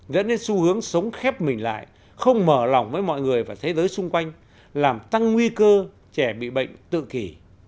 dẫn đến xu hướng sống khép mình lại không mở lòng với mọi người và thế giới xung quanh làm tăng nguy cơ trẻ bị bệnh tự kỷ